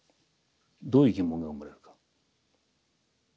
どういう疑問が生まれるか。